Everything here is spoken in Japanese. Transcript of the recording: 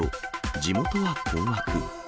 地元は困惑。